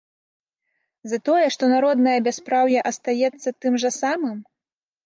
За тое, што народнае бяспраўе астаецца тым жа самым?